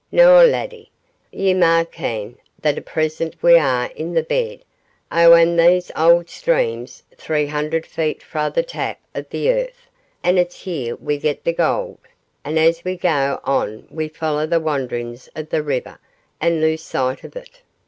Noo, laddie, ye ma ken that at present we are in the bed o' ain o' these auld streams three hun'red feet frae the tap o' the earth, and it's here we get the gold, and as we gae on we follow the wandrin's o' the river and lose sight o' it.